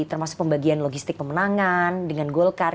termasuk pembagian logistik pemenangan dengan golkar